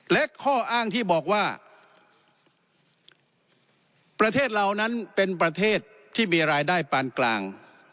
และข้ออ้างที่บอกว่าประเทศเรานั้นเป็นประเทศที่มีรายได้ปานกลาง